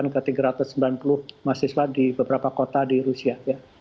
ke tiga ratus sembilan puluh mahasiswa di beberapa kota di rusia